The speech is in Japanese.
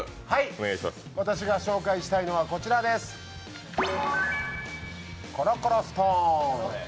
私が紹介したいのは、こちらです、「コロコロストーン」。